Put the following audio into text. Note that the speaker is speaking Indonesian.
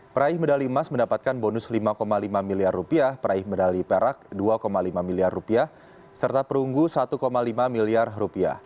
peraih medali emas mendapatkan bonus rp lima lima miliar peraih medali perak rp dua lima miliar serta perunggu rp satu lima miliar